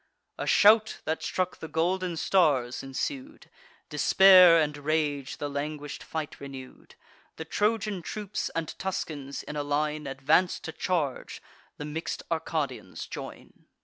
A shout, that struck the golden stars, ensued; Despair and rage the languish'd fight renew'd. The Trojan troops and Tuscans, in a line, Advance to charge; the mix'd Arcadians join.